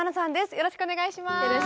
よろしくお願いします。